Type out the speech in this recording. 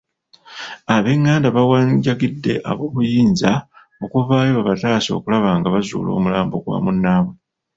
Ab'enganda bawanjagidde ab'obuyinza okuvaayo babataase okulaba nga bazuula omulambo gwa munnaabwe.